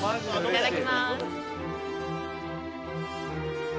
いただきます。